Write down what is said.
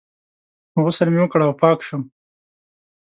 غسل مې وکړ او پاک شوم.